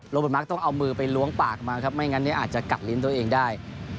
โบมักต้องเอามือไปล้วงปากมาครับไม่งั้นเนี่ยอาจจะกัดลิ้นตัวเองได้